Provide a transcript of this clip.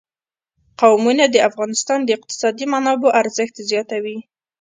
قومونه د افغانستان د اقتصادي منابعو ارزښت زیاتوي.